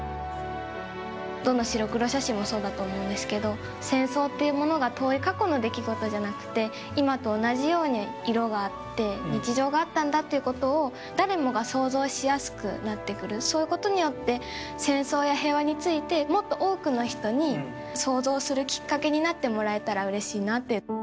どんな白黒写真もそうだと思うんですけど、戦争っていうものが遠い過去の出来事じゃなくて、今と同じように色があって、日常があったんだっていうことを、誰もが想像しやすくなってくる、そういうことによって、戦争や平和について、もっと多くの人に、想像するきっかけになってもらえたらうれしいなって。